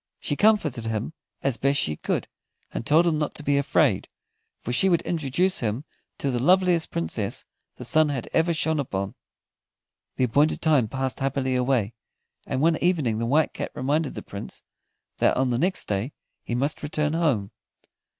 She comforted him as best she could, and told him not to be afraid, for she would introduce him to the loveliest Princess the sun had ever shone upon. The appointed time passed happily away, and one evening the White Cat reminded the Prince that on the next day he must return home.